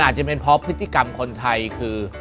อาจจะเป็นเพราะพฤติกรรมคนไทยคือ